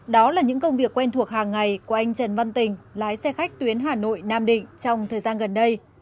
đó là những công việc quen thuộc hàng ngày của anh trần văn tình lái xe khách tuyến hà nội nam định trong thời gian gần đây